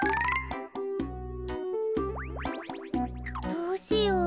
どうしよう。